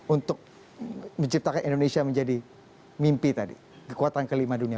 untuk menciptakan indonesia menjadi mimpi tadi kekuatan kelima dunia